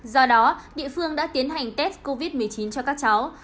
do đó địa phương đã tiến hành test covid một mươi chín cho các cháu